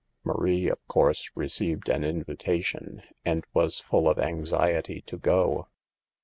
Marie, of course, received an invita tion, and was full of anxiety to go.